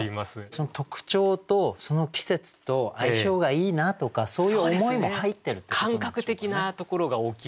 その特徴とその季節と相性がいいなとかそういう思いも入ってるってことなんでしょうかね。